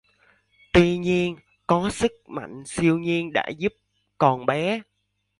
tuy nhiên có sức mạnh siêu nhiên đã giúp còn bé